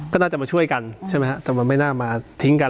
ก็น่าจะมาช่วยกันใช่ไหมฮะแต่มันไม่น่ามาทิ้งกัน